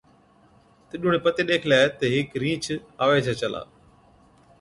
تِڏ اُڻهين پتي ڏيکلَي تہ هيڪ رِينڇ آوَي ڇَي چلا۔